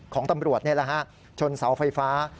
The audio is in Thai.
ของตำรวจนี่แหละฮะชนเสาไฟฟ้า